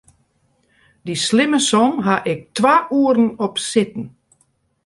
Dy slimme som haw ik twa oeren op sitten.